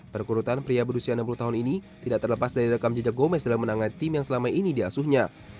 perkurutan pria berusia enam puluh tahun ini tidak terlepas dari rekam jejak gomez dalam menangani tim yang selama ini diasuhnya